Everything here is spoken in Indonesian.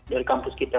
dari kampus kita